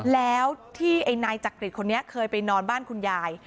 แล้วที่ไอ้นายจักริตคนนี้เคยไปนอนบ้านคุณยาย